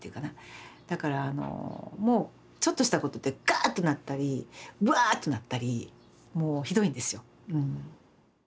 だからあのもうちょっとしたことでガーッとなったりワーッとなったりもうひどいんですよ。